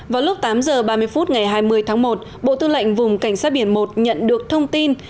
vào lúc tám giờ ba mươi phút ngày hai mươi tháng một bộ tư lệnh vùng cảnh sát biển một nhận được thông tin